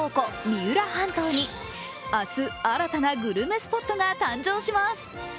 三浦半島に、明日、新たなグルメスポットが誕生します。